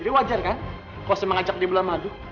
jadi wajar kan kau semang ajak dia melar madu